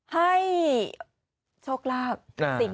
ให้โชคลาก๔มวดแล้วนะ